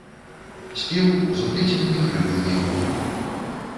Спеў з уплеценымі хрыплымі гукамі.